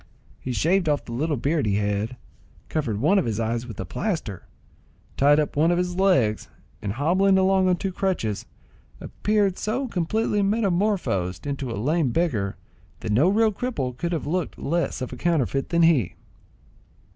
He shaved off the little beard he had, covered one of his eyes with a plaster, tied up one of his legs, and hobbling along on two crutches, appeared so completely metamorphosed into a lame beggar, that no real cripple could have looked less of a counterfeit than he.